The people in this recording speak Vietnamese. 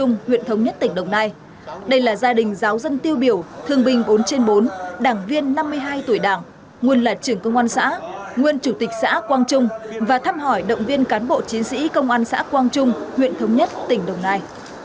phong trào toàn dân tiêu biểu thương bình bốn trên bốn đảng viên năm mươi hai tuổi đảng nguồn lạc trưởng công an xã nguồn chủ tịch xã quang trung và thăm hỏi động viên cán bộ chiến sĩ công an xã quang trung huyện thống nhất tỉnh đồng nai